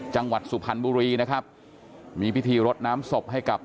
จังหวัดสุพรรณบุรีนะครับมีพิธีรดน้ำศพให้กับ